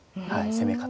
攻め方